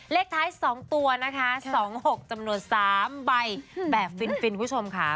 เลขท้าย๒ตัวนะคะ๒๖จำนวน๓ใบแบบฟินคุณผู้ชมค่ะ